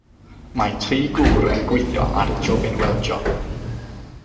Mae tri gŵr yn gweithio ar jobyn weldio.